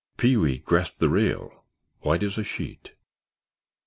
Pee wee grasped the rail, white as a sheet.